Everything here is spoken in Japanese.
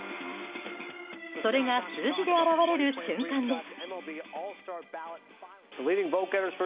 それが数字で表れる瞬間です。